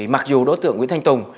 mặc dù đối tượng nguyễn thanh tùng